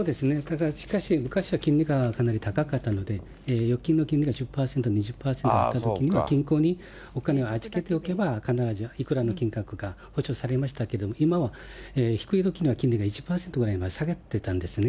だからしかし、昔は金利が高かったので、預金の金利が１０％、２０％だったときには、銀行にお金を預けておけば必ずいくらかの金額が保証されましたけれども、今は低いときには金利が１％くらいに下がっていたんですね。